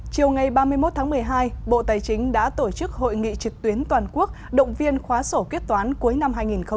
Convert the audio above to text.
chiều ngày ba mươi một tháng một mươi hai bộ tài chính đã tổ chức hội nghị trực tuyến toàn quốc động viên khóa sổ kiếp toán cuối năm hai nghìn một mươi chín